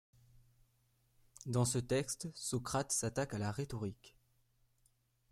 Dans ce texte, Socrate s’attaque à la rhétorique.